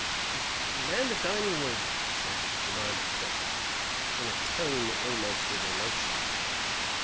"And then the dining room," said Jemima cook, in a tone almost of elation.